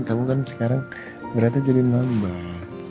kamu kan sekarang beratnya jadi nambah